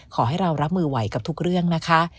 ขอให้เรารับมือไหวกับทุกเรื่องนะคะ